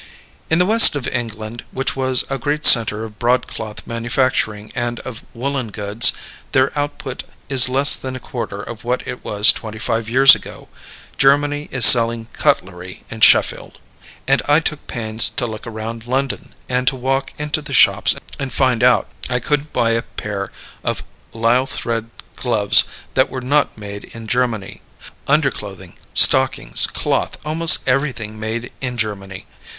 In the west of England, which was a great center of broadcloth manufacturing and of woolen goods, their output is less than a quarter of what it was twenty five years ago. Germany is selling cutlery in Sheffield. And I took pains to look around London, and to walk into the shops and find out. I couldn't buy a pair of lisle thread gloves that were not made in Germany. Underclothing, stockings, cloth, almost everything made in Germany.